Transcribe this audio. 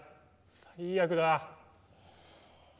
最悪だ。